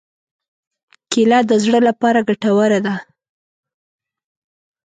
کېله د زړه لپاره ګټوره ده.